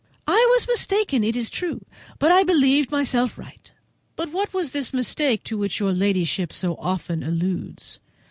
I was mistaken, it is true, but I believed myself right." "But what was this mistake to which your ladyship so often alludes?